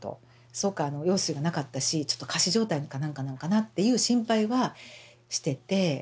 そうか羊水が無かったしちょっと仮死状態かなんかなのかなっていう心配はしてて。